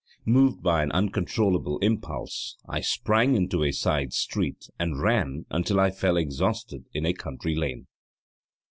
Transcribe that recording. Moved by an uncontrollable impulse, I sprang into a side street and ran until I fell exhausted in a country lane.